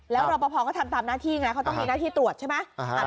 แล้วรอปภก็ทำตามหน้าที่ไงเขาต้องมีหน้าที่ตรวจใช่ไหม